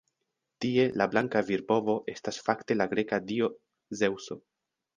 Tie la blanka virbovo estas fakte la greka dio Zeŭso.